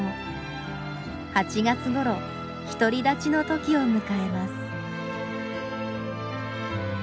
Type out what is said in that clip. ８月ごろ独り立ちの時を迎えます。